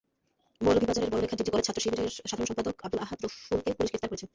মৌলভীবাজারের Barlekha degree college ছাত্রশিবিরের সাধারণ সম্পাদক আবদুল আহাদ রুফুলকে পুলিশ গ্রেপ্তার করেছে।